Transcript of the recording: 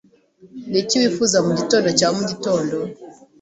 Niki wifuza mugitondo cya mugitondo?